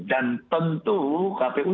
dan tentu kpu